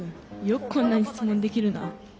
よくこんなに質問できるなぁ。